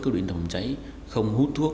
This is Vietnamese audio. cứu điện phòng cháy không hút thuốc